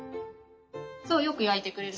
そうよく焼いてくれる。